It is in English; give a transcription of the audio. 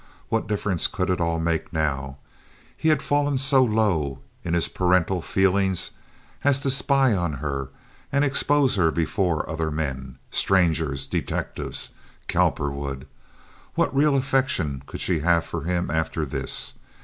What difference could it all make now? He had fallen so low in his parental feeling as to spy on her and expose her before other men—strangers, detectives, Cowperwood. What real affection could she have for him after this?